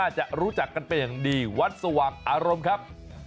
จะรู้จักกันเป็นอย่างดีวัดสว่างอารมณ์ครับ